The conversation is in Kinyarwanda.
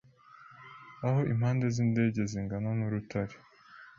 aho impande zindege zingananuUrutare